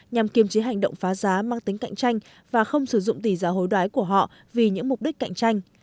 nhằm kiềm chế hành động phá giá mang tính cạnh tranh và không sử dụng tỷ giá hối đoái của họ vì những mục đích cạnh tranh